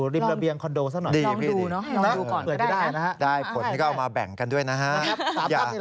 ได้นะฮะผลก็เอามาแบ่งกันด้วยนะฮะ